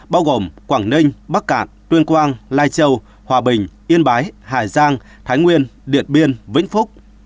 bao gồm quảng ninh bắc cạn tuyên quang lai châu hòa bình yên bái hà giang thái nguyên điện biên vĩnh phúc